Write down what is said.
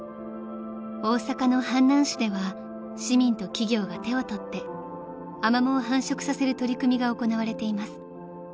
［大阪の阪南市では市民と企業が手を取ってアマモを繁殖させる取り組みが行われています］